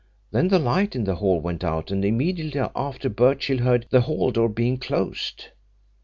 Then the light in the hall went out and immediately after Birchill heard the hall door being closed.